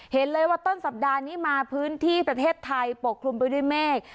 เห็นเลยว่าต้นสัปดาห์นี้มาพื้นที่ประเทศไทยปกคลุมไปด้วยเมฆ